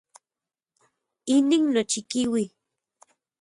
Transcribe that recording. Inin nochikiui.